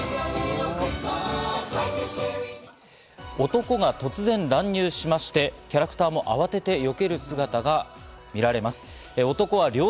男が突然乱入しまして、キャラクターも慌ててよける姿が見られます。